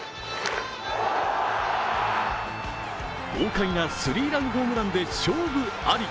豪快なスリーランホームランで勝負あり。